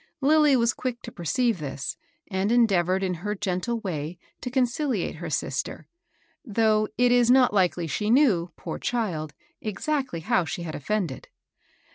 Lilly was quick to perceive this, and endeavored in her gentle way to conciliate her sister; though it is not likely she knew, poor child, exactly how she had offended.